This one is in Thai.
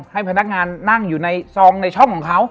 ให้พนักงานนั่งอยู่ในซองในช่องของเขา